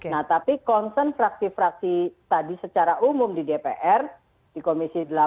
nah tapi concern fraksi fraksi tadi secara umum di dpr di komisi delapan